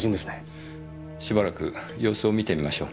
しばらく様子を見てみましょう。